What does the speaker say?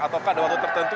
atau ada waktu tertentu